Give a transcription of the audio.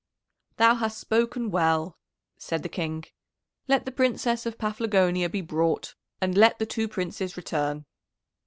"Thou hast spoken well," said the King. "Let the Princess of Paphlagonia be brought, and let the two Princes return."